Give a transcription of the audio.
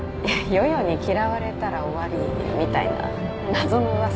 夜々に嫌われたら終わりみたいな謎の噂とかあって。